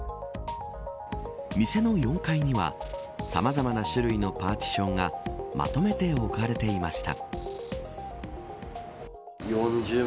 店の４階にはさまざまな種類のパーティションがまとめて置かれていました。